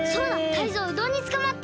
タイゾウうどんにつかまって。